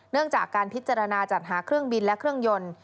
เรื่องจากการพิจารณาจัดหาเครื่องบินและเครื่องยนต์